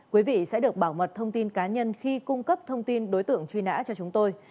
quý vị sẽ được bảo mật thông tin cá nhân khi cung cấp thông tin đối tượng truy nã cho chúng tôi